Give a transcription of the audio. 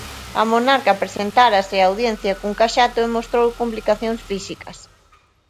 A monarca presentárase á audiencia cun caxato e mostrou complicacións físicas.